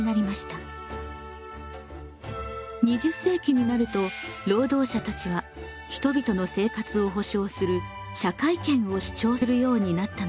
２０世紀になると労働者たちは人々の生活を保障する社会権を主張するようになったのです。